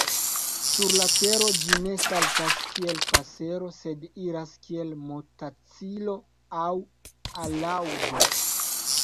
Sur la tero ĝi ne saltas kiel pasero sed iras kiel motacilo aŭ alaŭdo.